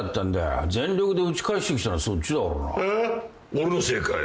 俺のせいかよ。